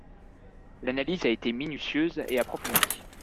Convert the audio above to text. L'analyse a été minutieuse et approfondie.